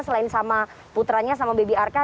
selain sama putranya sama baby arka